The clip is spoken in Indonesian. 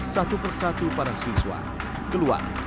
satu persatu para siswa keluar